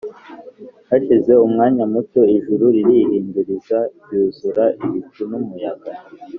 Hashize umwanya muto, ijuru ririhinduriza ryuzura ibicu n’umuyaga